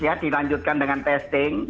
ya dilanjutkan dengan testing